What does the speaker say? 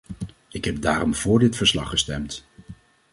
Ik heb daarom vóór dit verslag gestemd.